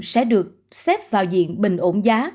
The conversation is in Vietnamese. sẽ được xếp vào diện bình ổn giá